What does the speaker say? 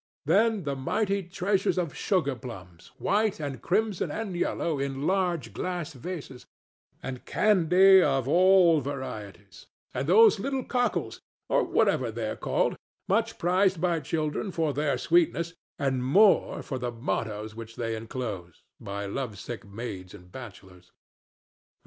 Then the mighty treasures of sugarplums, white and crimson and yellow, in large glass vases, and candy of all varieties, and those little cockles—or whatever they are called—much prized by children for their sweetness, and more for the mottoes which they enclose, by love sick maids and bachelors!